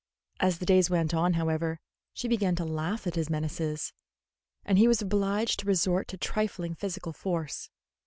As the days went on, however, she began to laugh at his menaces, and he was obliged to resort to trifling physical force.